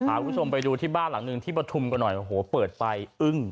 เราไปดูที่บ้านหลังนึงที่ประทุมกันหน่อยโหเปิดไปอึ้ง